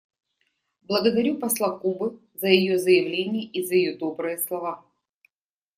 Благодарю посла Кубы за ее заявление и за ее добрые слова.